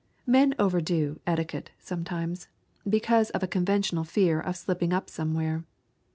Men overdo etiquette sometimes, because of a conventional fear of slipping up somewhere.